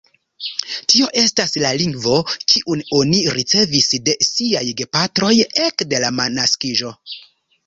Tio estas la lingvo, kiun oni ricevis de siaj gepatroj ekde la naskiĝo.